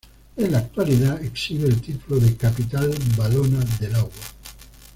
En la actualidad exhibe el título de "Capital valona del agua".